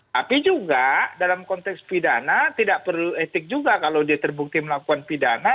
tapi juga dalam konteks pidana tidak perlu etik juga kalau dia terbukti melakukan pidana